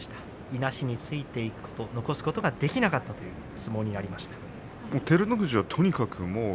いなしに突いていこうとつまり残すことができなかったそういう相撲がありました。